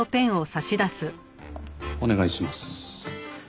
お願いします。